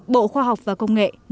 bộ khoa học và công nghệ natechmos